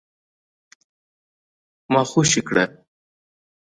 ما خوشي کړه ؟